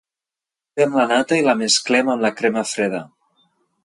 Muntem la nata i la mesclem amb la crema freda.